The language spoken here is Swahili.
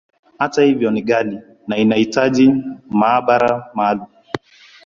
Hata hivyo, ni ghali, na inahitaji maabara maalumu.